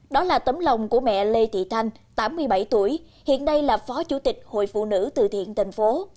đó là tấm lòng của mẹ lê thị thanh tám mươi bảy tuổi hiện đây là phó chủ tịch hội phụ nữ từ thiện thành phố